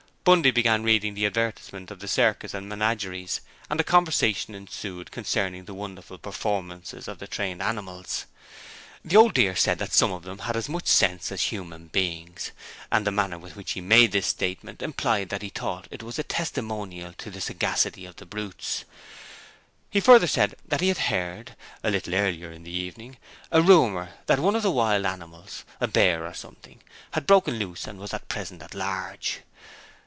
Bundy began reading the advertisement of the circus and menageries and a conversation ensued concerning the wonderful performances of the trained animals. The Old Dear said that some of them had as much sense as human beings, and the manner with which he made this statement implied that he thought it was a testimonial to the sagacity of the brutes. He further said that he had heard a little earlier in the evening a rumour that one of the wild animals, a bear or something, had broken loose and was at present at large.